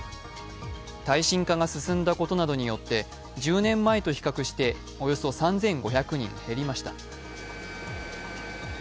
耐震化が進んだことなどによって１０年前と比較しておよそ３５００人減りました。